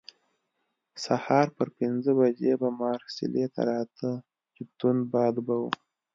سهار پر پنځه بجې به مارسیلي ته راته، چې توند باد به وو.